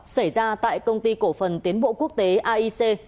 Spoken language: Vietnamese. xảy ra tại công ty cổ phần tiến bộ quốc tế aic